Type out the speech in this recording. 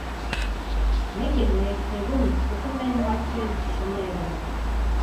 Մեկ էլ ներքևում սկսում են հաչել շները։